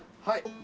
はい。